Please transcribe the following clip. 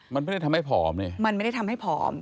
มันไม่ได้ทำให้ผอมเนี่ยมันไม่ได้ทำให้ผอม